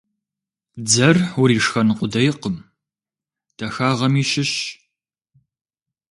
Дзэр уришхэн къудейкъым, дахагъэми щыщщ.